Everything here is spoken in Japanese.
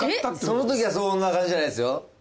そのときはそんな感じじゃないですよ。